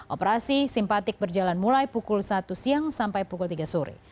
operasi simpatik berjalan mulai pukul satu siang sampai pukul tiga sore